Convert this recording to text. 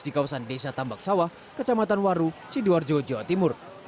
di kawasan desa tambak sawah kecamatan waru sidoarjo jawa timur